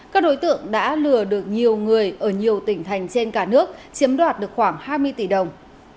các đối tượng đã lừa được nhiều người ở nhiều tỉnh thành trên cả nước chiếm đoạt được khoảng hai mươi tỷ đồng